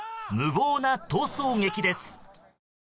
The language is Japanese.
無謀な逃走劇です。